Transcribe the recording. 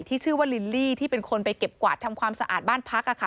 ที่ชื่อว่าลิลลี่ที่เป็นคนไปเก็บกวาดทำความสะอาดบ้านพัก